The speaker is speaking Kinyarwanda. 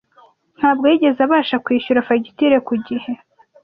Ntabwo yigeze abasha kwishyura fagitire ku gihe.